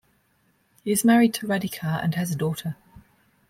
He is married to Radhika and has a daughter.